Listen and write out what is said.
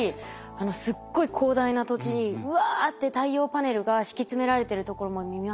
すっごい広大な土地にうわって太陽パネルが敷き詰められてるところも見ますし。